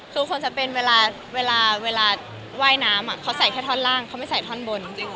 คือคนจะเป็นเวลาเวลาว่ายน้ำเขาใส่แค่ท่อนล่างเขาไม่ใส่ท่อนบนจริง